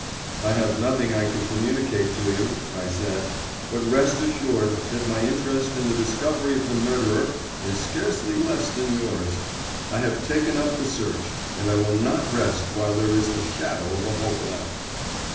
"I have nothing I can communicate to you," I said; "but rest assured that my interest in the discovery of the murderer is scarcely less than yours. I have taken up the search, and I will not rest while there is the shadow of a hope left."